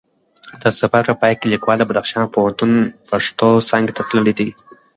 د سفر په پای کې لیکوال د بدخشان پوهنتون پښتو څانګی ته تللی دی